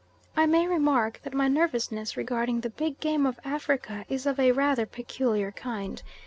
I may remark that my nervousness regarding the big game of Africa is of a rather peculiar kind.